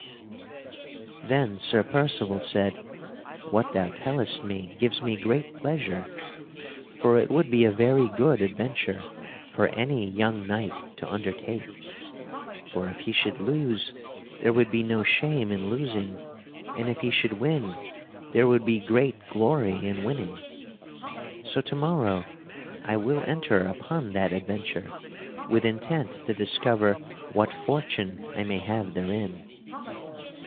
Then Sir Percival said: "What thou tellest me gives me great pleasure, for it would be a very good adventure for any young knight to undertake. For if he should lose there would be no shame in losing, and if he should win there would be great glory in winning. So to morrow I will enter upon that adventure, with intent to discover what fortune I may have therein."